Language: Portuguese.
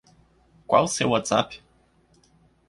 Qual o seu WhatsApp?